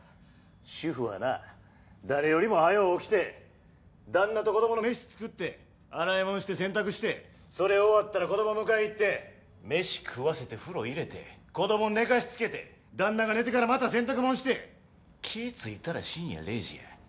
主婦はな誰よりも早う起きて旦那と子供のメシ作って洗い物して洗濯してそれ終わったら子供迎え行ってメシ食わせて風呂入れて子供寝かしつけて旦那が寝てからまた洗濯物して気ぃ付いたら深夜０時や。